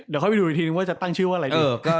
เดี๋ยวค่อยไปดูอีกทีนึงว่าจะตั้งชื่อว่าอะไรดี